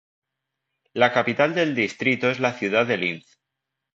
La capital del distrito es la ciudad de Linz.